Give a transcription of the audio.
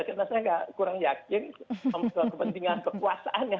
karena saya kurang yakin kepentingan kekuasaannya